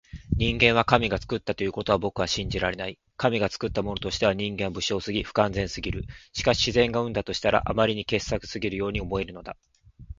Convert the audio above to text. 人間は神が創ったということは僕は信じられない。神が創ったものとしては人間は無情すぎ、不完全すぎる。しかし自然が生んだとしたら、あまりに傑作すぎるように思えるのだ。